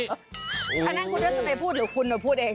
อันนั้นคุณทัศนัยพูดหรือคุณมาพูดเอง